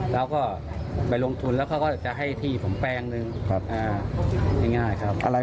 แล้วก็ไปลงทุนแล้วเขาก็จะให้ที่ผมแปลงหนึ่งง่ายครับ